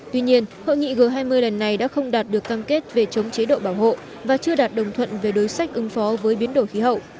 tuy nhiên hội nghị g hai mươi lần này đã không đạt được cam kết về chống chế độ bảo hộ và chưa đạt đồng thuận về đối sách ứng phó với biến đổi khí hậu